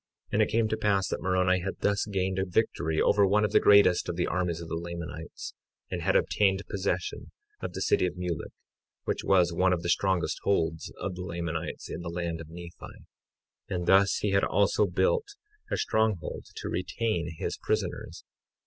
53:6 And it came to pass that Moroni had thus gained a victory over one of the greatest of the armies of the Lamanites, and had obtained possession of the city of Mulek, which was one of the strongest holds of the Lamanites in the land of Nephi; and thus he had also built a stronghold to retain his prisoners.